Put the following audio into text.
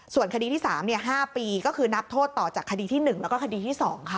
ส่วนคดีที่๓๕ปีก็คือนับโทษต่อจากคดีที่๑แล้วก็คดีที่๒ค่ะ